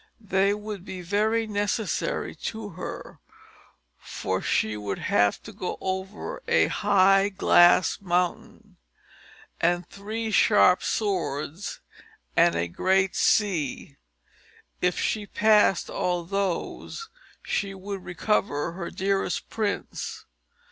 They would be very necessary to her, for she would have to go over a high glass mountain, and three sharp swords, and a great sea; if she passed all those, she would recover her dearest prince.